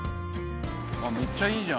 めっちゃいいじゃん。